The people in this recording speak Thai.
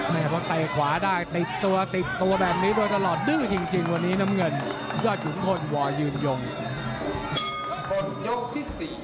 แต่คะตะไหว้ได้ติดตัวตัวแบบนี้เลยตลอดดื้อจริงวันนี้